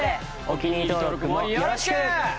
お気に入り登録もよろしく！